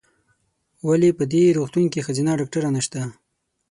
ولې په دي روغتون کې ښځېنه ډاکټره نسته ؟